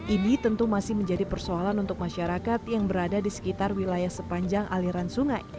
ini tentu masih menjadi persoalan untuk masyarakat yang berada di sekitar wilayah sepanjang aliran sungai